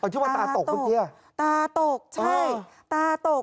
ที่ว่าตาตกเมื่อกี้อ่ะตาตกใช่ตาตก